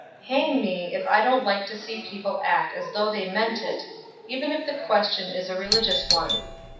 Hang me, if I don't like to see people act as though they meant it, even if the question is a religious one.